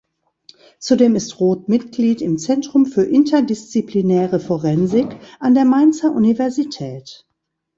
Zudem ist Roth Mitglied im Zentrum für interdisziplinäre Forensik an der Mainzer Universität.